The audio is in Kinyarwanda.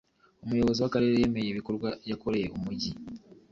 umuyobozi w'akarere yemeye ibikorwa yakoreye umujyi.